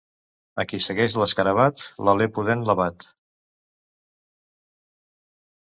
A qui segueix l'escarabat, l'alè pudent l'abat.